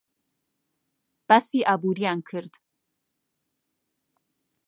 باسی ئابووریان کرد.